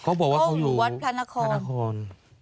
เขาบอกว่าเขาอยู่วัดพระนคร